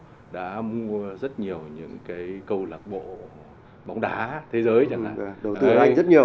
họ đã mua rất nhiều những cái câu lạc bộ bóng đá thế giới chẳng hạn